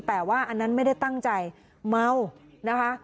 แต่ว่าอันนั้นไม่ได้ตั้งใจเมานะคะ